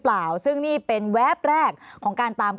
ภารกิจสรรค์ภารกิจสรรค์